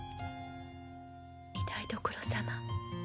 御台所様。